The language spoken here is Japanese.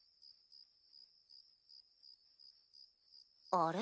あれ？